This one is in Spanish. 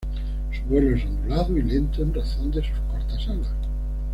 Su vuelo es ondulado y lento, en razón de sus cortas alas.